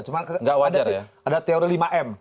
cuma ada teori lima m